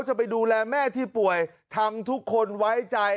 จะไปดูแลแม่ที่ป่วยทำทุกคนไว้ใจ